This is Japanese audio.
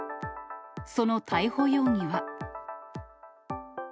その逮捕容疑は。